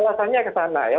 itu kan alasannya ke sana ya